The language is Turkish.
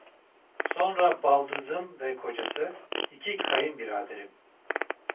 Sonra baldızım ve kocası, iki kayınbiraderim.